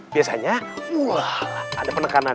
biasanya ulala ada penekanan